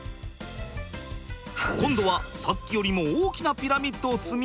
今度はさっきよりも大きなピラミッドを積み上げたパパ。